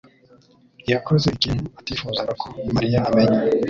yakoze ikintu atifuzaga ko Mariya amenya.